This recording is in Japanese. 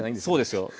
そうですよ。